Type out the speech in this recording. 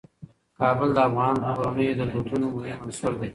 کابل د افغان کورنیو د دودونو مهم عنصر دی.